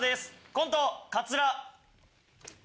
コント「カツラ」。